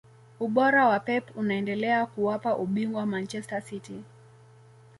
ubora wa pep unaendelea kuwapa ubingwa manchester city